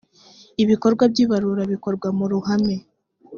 ibikorwa by ibarura bikorwa mu ruhame